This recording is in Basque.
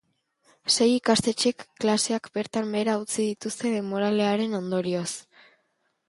Sei ikastetxek klaseak bertan behera utzi dituzte denboralearen ondorioz.